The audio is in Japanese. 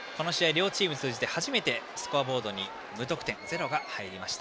両チーム通じて初めてスコアボードに０が入りました。